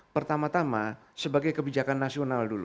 pertama tama sebagai kebijakan nasional dulu